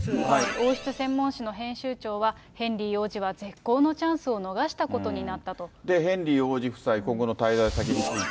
王室専門誌の編集長はヘンリー王子は絶好のチャンスを逃したヘンリー王子夫妻、今後の滞在先について。